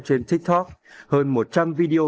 trên tiktok hơn một trăm linh video